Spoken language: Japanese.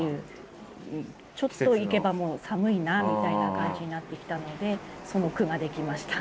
ちょっといけばもう寒いなみたいな感じになってきたのでその句ができました。